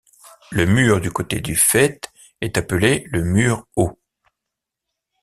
Le mur du côté du faîte est appelé le mur haut.